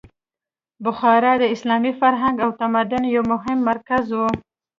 بخارا د اسلامي فرهنګ او تمدن یو مهم مرکز و.